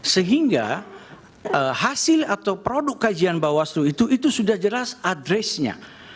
sehingga hasil atau produk kajian bawaslu itu sudah jelas addresnya